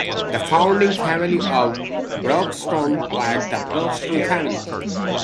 The founding family of Broxton were the Broxton family.